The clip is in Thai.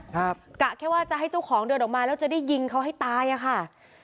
กะแค่ว่าจะให้เจ้าของเดินออกมาแล้วจะได้ยิงเขาให้ตายอ่ะค่ะ